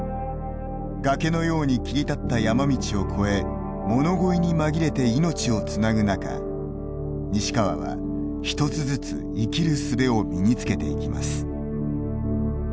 崖のように切り立った山道を越え物乞いに紛れて命をつなぐ中西川は一つずつ生きるすべを身につけていきます。